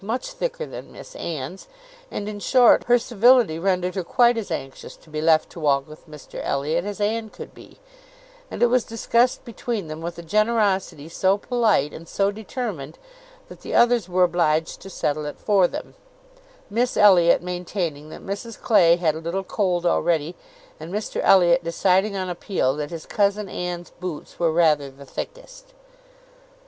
much thicker than Miss Anne's; and, in short, her civility rendered her quite as anxious to be left to walk with Mr Elliot as Anne could be, and it was discussed between them with a generosity so polite and so determined, that the others were obliged to settle it for them; Miss Elliot maintaining that Mrs Clay had a little cold already, and Mr Elliot deciding on appeal, that his cousin Anne's boots were rather the thickest.